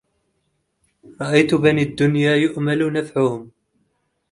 رأيت بني الدنيا يؤمل نفعهم